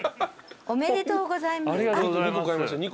おめでとうございます。